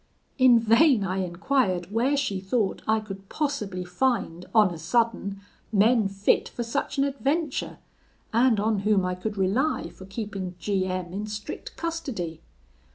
In vain I enquired where she thought I could possibly find, on a sudden, men fit for such an adventure? and on whom I could rely for keeping G M in strict custody?